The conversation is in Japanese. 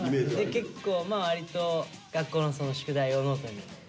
結構わりと学校の宿題をノートにやったりとか。